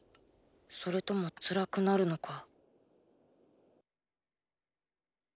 それとも辛くなるのか？